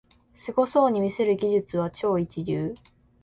すごそうに見せる技術は超一流